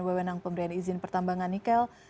wewenang pemberian izin pertambangan nikel